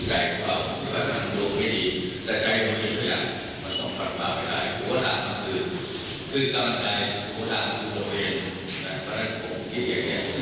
แต่พระนักฐุปมิตรคิดอย่างเนี้ยก็อยู่ก็ได้แบบนี้